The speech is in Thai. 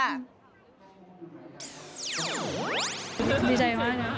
ยกเบียดไว้แล้วนะ